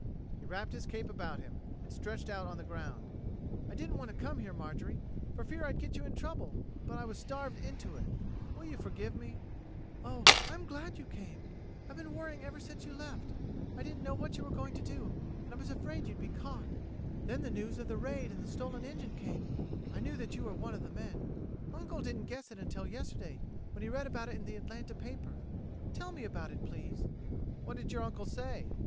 He wrapped his cape about him, and stretched out on the ground. "I didn't want to come here, Marjorie, for fear I'd get you into trouble, but I was starved into it. Will you forgive me?" [Illustration: "I didn't want to come here, Marjorie, for fear I'd get you into trouble."] "Oh, I'm glad you came. I've been worrying ever since you left. I didn't know what you were going to do, and I was afraid you'd be caught. Then the news of the raid and the stolen engine came. I knew that you were one of the men. Uncle didn't guess it until yesterday when he read about it in the Atlanta paper. Tell me about it please!" "What did your uncle say?